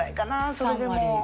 それでも。